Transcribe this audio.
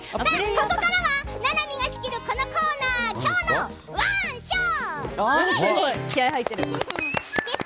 ここからはななみが仕切るこのコーナー「きょうのワンショット」。